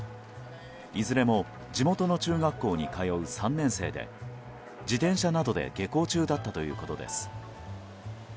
いずれも地元の中学校に通う３年生で自転車などで下校中だったということです。